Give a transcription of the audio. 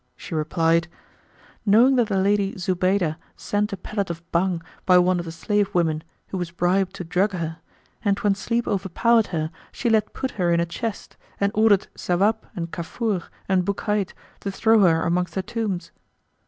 She replied, "Know that the Lady Zubaydah sent a pellet of Bhang by one of the slave women who was bribed to drug her; and when sleep overpowered her she let put her in a chest, and ordered Sawab and Kafur and Bukhayt to throw her amongst the tombs."